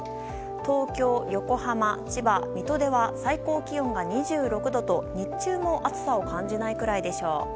東京、横浜、千葉、水戸では最高気温が２６度と、日中も暑さを感じないくらいでしょう。